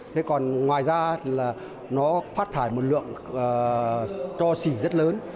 thế còn ngoài ra thì là nó phát thải một lượng cho xỉ rất lớn